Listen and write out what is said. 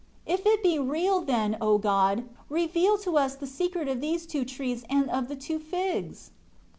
If it be real, then, O God, reveal to us the secret of these two trees and of the two figs."